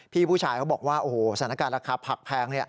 พี่ผู้ชายเขาบอกว่าโอ้โหสถานการณ์ราคาผักแพง